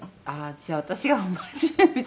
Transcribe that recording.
じゃあ私が不真面目みたいな。